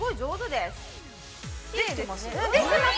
◆できてます？